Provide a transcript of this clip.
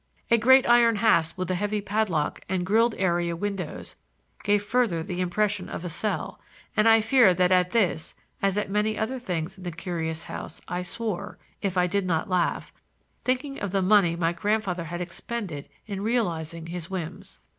A great iron hasp with a heavy padlock and grilled area windows gave further the impression of a cell, and I fear that at this, as at many other things in the curious house, I swore—if I did not laugh—thinking of the money my grandfather had expended in realizing his whims.